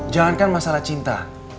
jangan kan masalah cinta